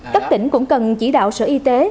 các tỉnh cũng cần chỉ đạo sở y tế